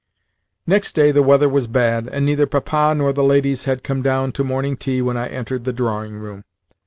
Next day the weather was bad, and neither Papa nor the ladies had come down to morning tea when I entered the drawing room.